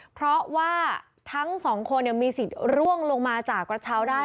เพราะว่าทั้งสองคนมีสิทธิ์ร่วงลงมาจากกระเช้าได้